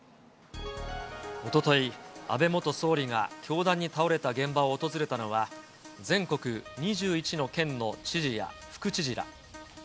おととい、安倍元総理が凶弾に倒れた現場を訪れたのは、全国２１の県の知事や副知事ら。